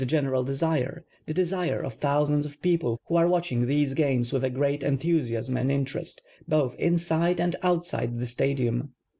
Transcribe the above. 33 This is ihc general desire, the desire cf thousands of peojde wlio arc watching these games with a great enthusiasm and in terest, both inside and outside the Stadium.